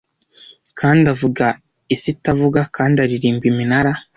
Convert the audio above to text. Kandi avuga isi itavuga kandi aririmba iminara